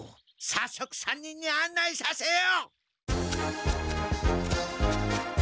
さっそく３人にあんないさせよ！